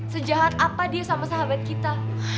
sejahat apa dia sama sahabat kita